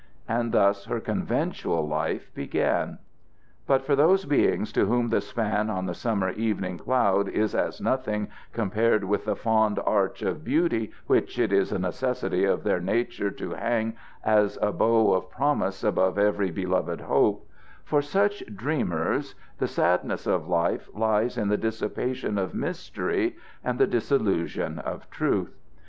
And thus her conventual life began. But for those beings to whom the span on the summer evening cloud is as nothing compared with that fond arch of beauty which it is a necessity of their nature to hang as a bow of promise above every beloved hope for such dreamers the sadness of life lies in the dissipation of mystery and the disillusion of truth.